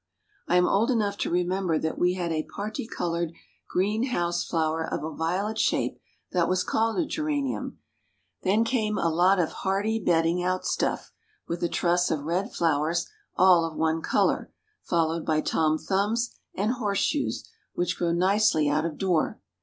I am old enough to remember that we had a parti colored green house flower of a violet shape that was called a Geranium, then came a lot of hardy bedding out stuff with a truss of red flowers, all of one color, followed by Tom Thumbs and Horseshoes which grow nicely out of door.